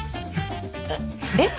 えっえっ？